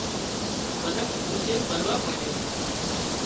منک ڀوڇي مروا مانڏيان